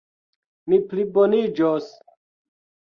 Mi pliboniĝos.